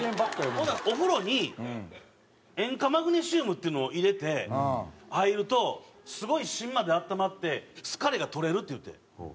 ほんならお風呂に塩化マグネシウムっていうのを入れて入るとすごい芯まで温まって疲れが取れるっていうて。